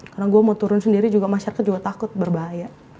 karena gue mau turun sendiri juga masyarakat juga takut berbahaya